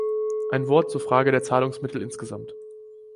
Ein Wort zur Frage der Zahlungsmittel insgesamt.